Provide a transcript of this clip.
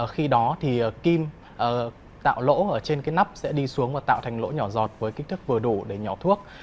khi đó thì kim tạo lỗ ở trên cái nắp sẽ đi xuống và tạo thành lỗ nhỏ giọt với kích thức vừa đủ để nhỏ thuốc